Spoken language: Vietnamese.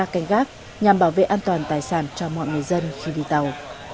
canh gác nhằm bảo vệ an toàn tài sản cho mọi người dân khi đi tàu